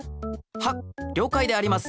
はっりょうかいであります。